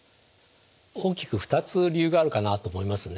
大きく２つ理由があるかなと思いますね。